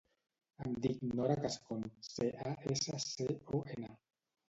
Em dic Nora Cascon: ce, a, essa, ce, o, ena.